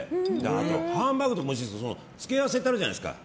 あとハンバーグもおいしいんですけど付け合わせってあるじゃないですか